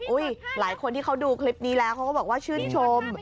หลายคนที่เขาดูคลิปนี้แล้วเขาก็บอกว่าชื่นชม